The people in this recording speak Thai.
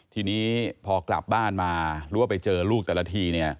ทีนี้พอกลับบ้านมากลับไปเจอลูกแต่ละที